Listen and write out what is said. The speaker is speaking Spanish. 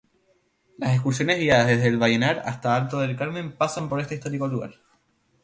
Las excursiones guiadas desde Vallenar hasta Alto del Carmen pasan por este histórico lugar.